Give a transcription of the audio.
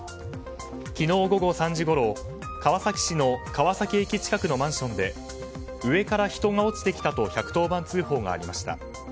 昨日午後３時ごろ、川崎市の川崎駅近くのマンションで上から人が落ちてきたと１１０番通報がありました。